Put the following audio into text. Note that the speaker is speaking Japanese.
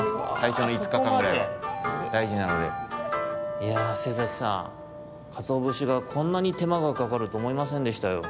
いや瀬崎さんかつおぶしがこんなにてまがかかるとおもいませんでしたよ。